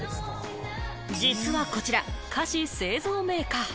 実はこちら、菓子製造メーカー。